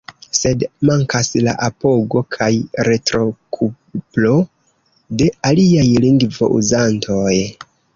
Sed mankas la apogo kaj retrokuplo de aliaj lingvo-uzantoj.